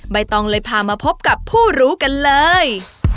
ใบตองเลยพามาพบกับผู้รู้กันเลย